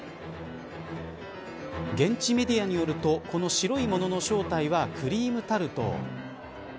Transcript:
現地メディアによるとこの白いものの正体はクリームタルト。